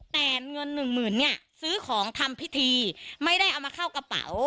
แต่เงินหนึ่งหมื่นเนี่ยซื้อของทำพิธีไม่ได้เอามาเข้ากระเป๋า